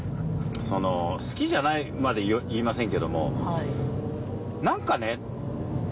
その「好きじゃない」まで言いませんけどもはい。